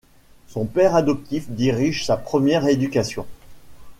Son père adoptif dirige sa première éducation.